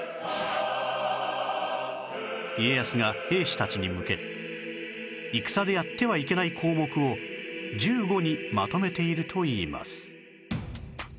家康が兵士たちに向け戦でやってはいけない項目を１５にまとめているといいます